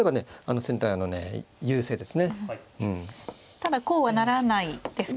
ただこうはならないですか。